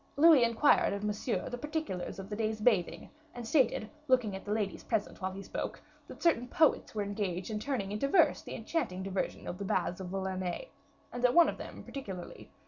Louis inquired of Monsieur the particulars of the day's bathing; and stated, looking at the ladies present while he spoke, that certain poets were engaged turning into verse the enchanting diversion of the baths of Vulaines, and that one of them particularly, M.